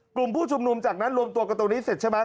กลุ่มผู้ชุมนุมจากนั้นรวมตัวกันตรงนี้เสร็จใช่ไหม